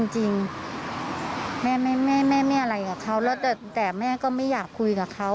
จริงแม่ไม่อะไรกับเขาแล้วแต่แม่ก็ไม่อยากคุยกับเขา